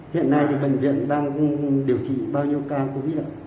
hiện nay thì bệnh viện đang điều trị bao nhiêu ca covid ạ